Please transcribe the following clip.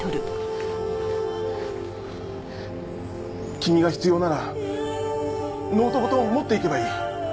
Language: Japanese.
君が必要ならノートごと持っていけばいい。